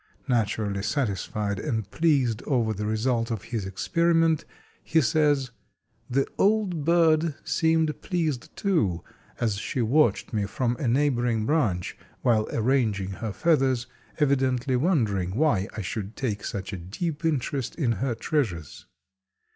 Naturally satisfied and pleased over the result of his experiment he says: "The old bird seemed pleased too, as she watched me from a neighboring branch, while arranging her feathers, evidently wondering why I should take such a deep interest in her treasures.